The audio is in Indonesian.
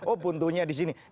oh puntunya di sini